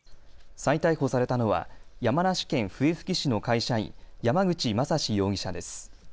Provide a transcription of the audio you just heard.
再逮捕されたのは山梨県笛吹市の会社員、山口正司容疑者です。